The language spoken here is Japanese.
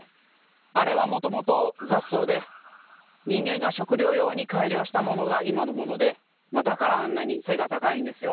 あれはもともと雑草で人間が食料用に改良したものが今のものでだからあんなに背が高いんですよ。